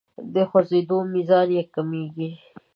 د خوځیدو میزان یې کمیږي.